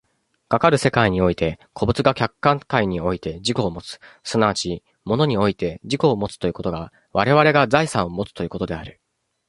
かかる世界において個物が客観界において自己をもつ、即ち物において自己をもつということが我々が財産をもつということである。